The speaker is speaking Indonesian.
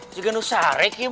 jangan usah nanya nanya